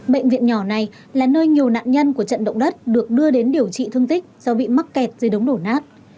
bệnh viện nhỏ này là nơi nhiều nạn nhân của trận động đất được đưa đến điều trị thương tích do bị mắc kẹt dưới đống đổ nát